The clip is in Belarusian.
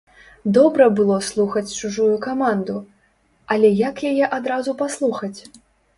Добра было слухаць чужую каманду, але як яе адразу паслухаць?